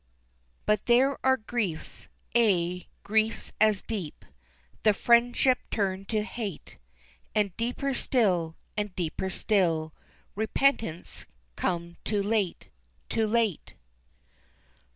"But there are griefs, ay, griefs as deep; The friendship turned to hate. And deeper still, and deeper still Repentance come too late, too late!"